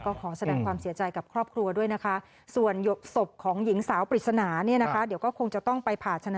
ก็ขอแสดงความเสียใจกับครอบครัวด้วยนะคะ